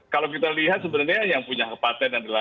kalau kita lihat sebenarnya yang punya kepatan